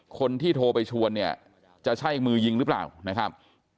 คนที่โทรไปชวนเนี่ยจะใช่มือยิงหรือเปล่านะครับ